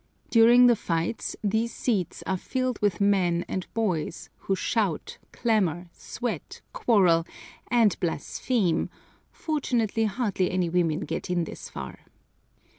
During the fights these seats are filled with men and boys who shout, clamor, sweat, quarrel, and blaspheme fortunately, hardly any women get in this far.